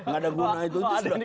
gak ada guna itu